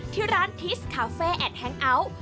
ที่ร้านทิสคาเฟ่แอดแฮงอัล